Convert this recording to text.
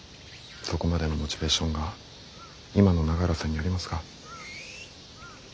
そこまでのモチベーションが今の永浦さんにありますか？